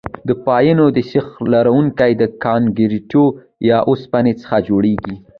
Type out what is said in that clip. دا پایپونه د سیخ لرونکي کانکریټو یا اوسپنې څخه جوړیږي